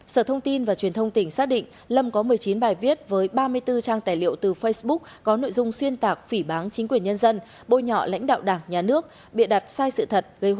sở thông tin và truyền thông tỉnh xác định lâm có một mươi chín bài viết với ba mươi bốn trang tài liệu từ facebook có nội dung xuyên tạc phỉ bán chính quyền nhân dân bôi nhọ lãnh đạo đảng nhà nước bịa đặt sai sự thật